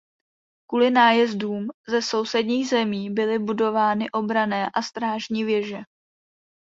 Kvůli nájezdům ze sousedních zemí byly budovány obranné a strážní věže.